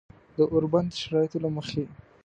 د اوربند د شرایطو له مخې